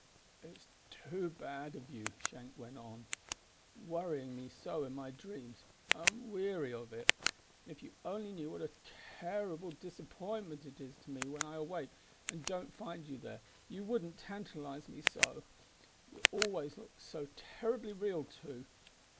"It's too bad of you," Shank went on, "worrying me so in my dreams. I'm weary of it; and if you only knew what a terrible disappointment it is to me when I awake and don't find you there, you wouldn't tantalise me so. You always look so terribly real too!